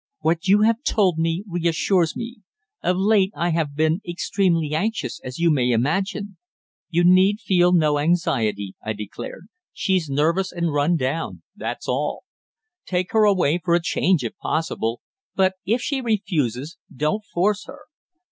"What you have told me reassures me. Of late I have been extremely anxious, as you may imagine." "You need feel no anxiety," I declared. "She's nervous and run down that's all. Take her away for a change, if possible. But if she refuses, don't force her.